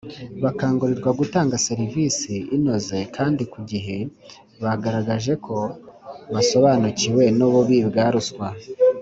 bakangurirwa gutanga serivisi inoze kandi ku gihe Bagaragaje ko basobanukiwe nububi bwa ruswa